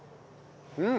うん！